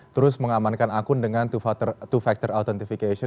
terus mengamankan akun dengan two factor authentification